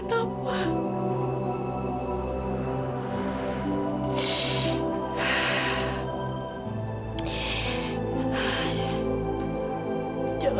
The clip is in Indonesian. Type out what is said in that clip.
nanti temple itu ingin kucinganmu